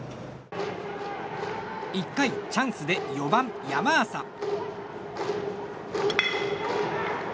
１回、チャンスで４番、山浅。